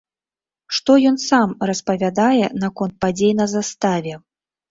Што ён сам распавядае наконт падзей на заставе?